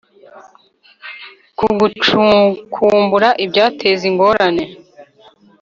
ku gucukumbura ibyateza ingorane